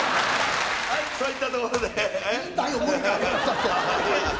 はい、そういったところで。